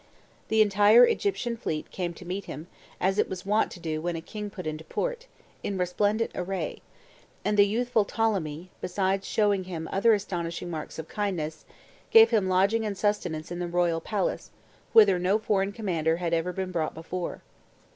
The entire Egyptian fleet came to meet him, as it was wont to do when a king put into port, in resplendent array, and the youthful Ptolemy, besides showing him other astonishing marks of kindness, gave him lodging and sustenance in the royal palace, whither no foreign commander had ever been brought before.